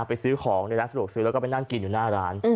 ซื้อของในร้านสะดวกซื้อแล้วก็ไปนั่งกินอยู่หน้าร้าน